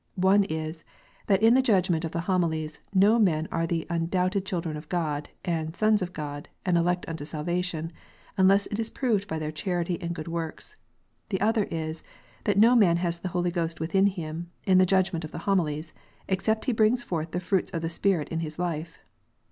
One is, that in the judgment of the Homilies, no men are the "undoubted children of God" and "sons of God," and elect unto salvation, unless it is proved by their charity and good works. The other is, that no man has the Holy Ghost within him, in the judgment of the Homilies, except he brings forth the fruits of the Spirit in his life.